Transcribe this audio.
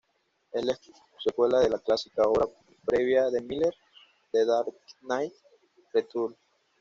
Es la secuela de la clásica obra previa de Miller, "The Dark Knight Returns".